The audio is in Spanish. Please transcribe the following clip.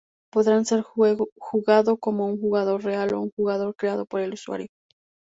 Podrá ser jugado como un jugador real o un jugador creado por el usuario.